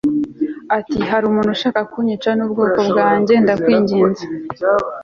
ati hari umuntu ushaka kunyicana n ubwoko bwanjye Ndakwinginze